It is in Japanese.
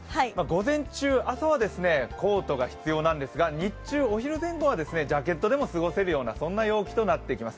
午前中、朝はコートが必要なんですが日中、お昼前後はジャケットでも過ごせるような陽気となってきます。